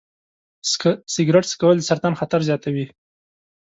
سګرټ څکول د سرطان خطر زیاتوي.